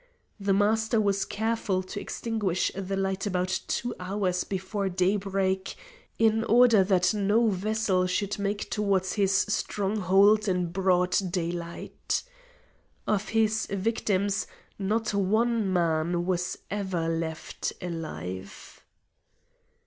The Master was careful to extinguish the light about two hours before daybreak, in order that no vessel should make towards his stronghold in broad daylight. Of his victims not one man was ever left alive.